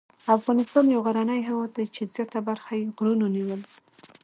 افغانستان یو غرنی هېواد دی چې زیاته برخه یې غرونو نیولې.